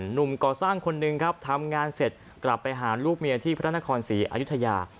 หนุ่มก่อสร้างคนหนึ่งครับทำงานเสร็จกลับไปหาลูกเมียที่พระนครศรีอายุทยา